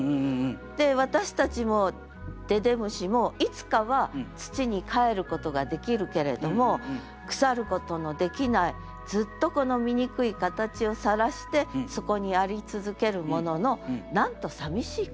で私たちもででむしもいつかは土にかえることができるけれども腐ることのできないずっとこの醜い形をさらしてそこにあり続けるもののなんとさみしいことかと。